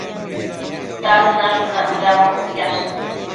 Daëd nashunac bëdanbo ictsiash